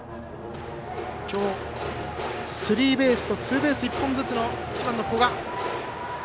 きょう、スリーベースとツーベース１本ずつの１番の古閑。